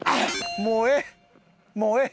もうええ。